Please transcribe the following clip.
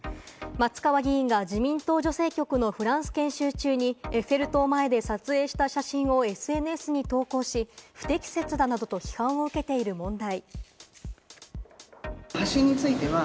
松川議員が自民党女性局のフランス研修中にエッフェル塔前で撮影した写真をＳＮＳに投稿し、不適切だなどと批判を受けている問題。